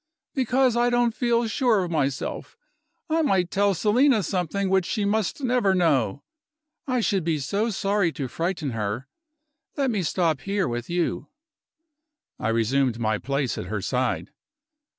"Because I don't feel sure of myself. I might tell Selina something which she must never know; I should be so sorry to frighten her. Let me stop here with you." I resumed my place at her side.